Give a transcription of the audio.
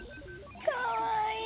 かわいい！